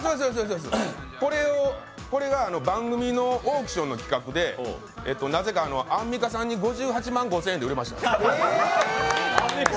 これが番組のオークションの企画でなぜかアンミカさんに５８万５０００円で売れました。